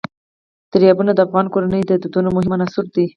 دریابونه د افغان کورنیو د دودونو مهم عنصر دی.